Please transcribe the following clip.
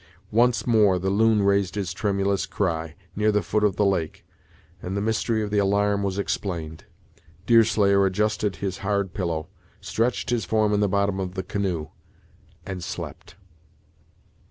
Once more the loon raised his tremulous cry, near the foot of the lake, and the mystery of the alarm was explained. Deerslayer adjusted his hard pillow, stretched his form in the bottom of the canoe, and slept.